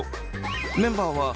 メンバーは地